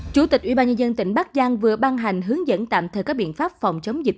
chủ tịch ubnd tỉnh bắc giang vừa ban hành hướng dẫn tạm thời các biện pháp phòng chống dịch